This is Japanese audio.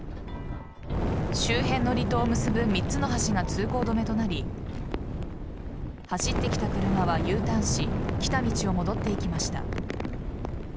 周辺の離島を結ぶ３つの橋が通行止めとなり走ってきた車はＵターンし来た道を戻っていきました。